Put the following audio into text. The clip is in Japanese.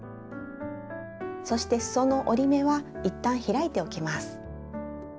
そしてすその折り目は一旦開いておきます。